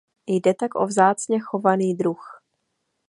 Jde tak o vzácně chovaný druh.